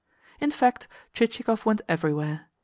In fact, Chichikov went everywhere.